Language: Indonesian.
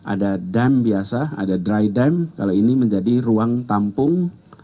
ada dam biasa ada dry dump kalau ini menjadi ruang tampung